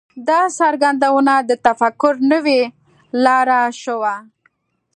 دا څرګندونه د تفکر نوې لاره شوه.